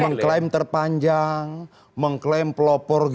mengklaim terpanjang mengklaim pelopor g dua puluh